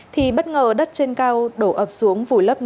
thì bất ngờ đất trên cao đổ ập xuống vùi lấp năm cháu bé